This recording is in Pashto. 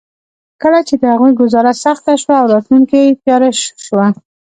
کله چې د هغوی ګوزاره سخته شوه او راتلونکې تياره شوه.